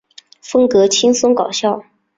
风格轻松搞笑。